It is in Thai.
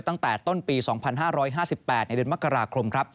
ตั้งแต่ต้นปี๒๕๕๘ในเดือนมกราคมครับ